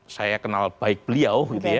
saya kenal baik beliau